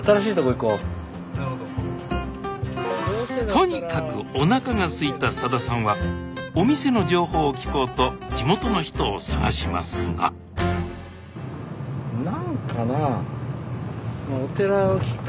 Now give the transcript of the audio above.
とにかくおなかがすいたさださんはお店の情報を聞こうと地元の人を探しますが何かなぁ。